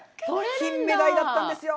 キンメダイだったんですよ。